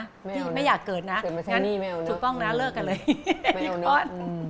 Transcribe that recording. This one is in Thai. ไม่อยากเกิดนะถูกต้องนะเลิกกันเลยอ้น